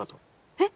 えっ？